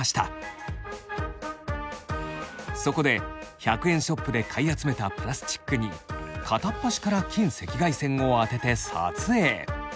そこで１００円ショップで買い集めたプラスチックに片っ端から近赤外線を当てて撮影。